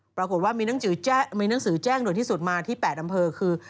ปรากฏว่ามีหนังสือแจ้งโดยที่สุดมาที่๘อำเภอคือ